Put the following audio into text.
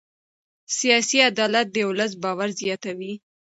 سیاسي عدالت د ولس باور زیاتوي